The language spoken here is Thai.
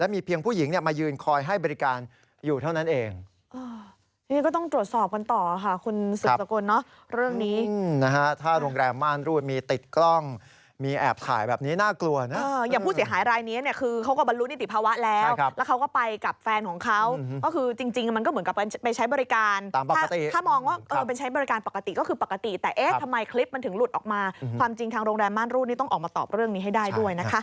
มีติดกล้องมีแอบถ่ายแบบนี้น่ากลัวนะฮะอย่างผู้เสียหายรายนี้เนี่ยคือเขาก็บรรลุนิติภาวะแล้วแล้วเขาก็ไปกับแฟนของเขาก็คือจริงจริงมันก็เหมือนกับเป็นใช้บริการตามปกติถ้ามองว่าเออเป็นใช้บริการปกติก็คือปกติแต่เอ๊ะทำไมคลิปมันถึงหลุดออกมาความจริงทางโรงแรมม่านรูดนี้ต้องออกมาต